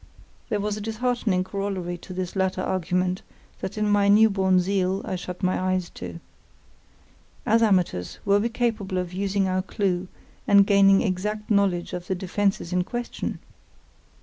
There was a disheartening corollary to this latter argument that in my new born zeal I shut my eyes to. As amateurs, were we capable of using our clue and gaining exact knowledge of the defences in question?